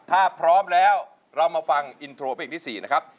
ถ้าพร้อมแล้วเรามาฟังอินโทรเพลงที่๔นะครับ